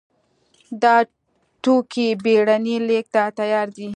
دا توکي بېړنۍ لېږد ته تیار دي.